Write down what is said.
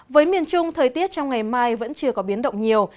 với miền trung thời tiết trong ngày mai vẫn chưa có biến động nhiều